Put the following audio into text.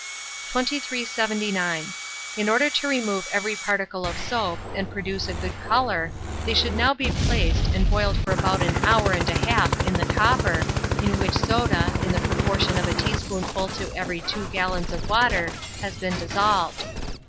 2379. In order to remove every particle of soap, and produce a good colour, they should now be placed, and boiled for about an hour and a half in the copper, in which soda, in the proportion of a teaspoonful to every two gallons of water, has been dissolved.